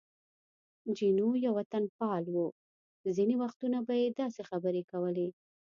جینو یو وطنپال و، ځینې وختونه به یې داسې خبرې کولې.